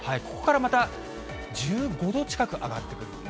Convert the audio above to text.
ここからまた１５度近く上がってくる。